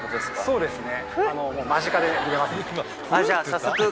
そうですね。